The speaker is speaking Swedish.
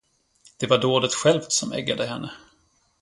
Det var dådet självt, som eggade henne.